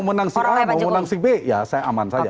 mau menang si a mau menang si b ya saya aman saja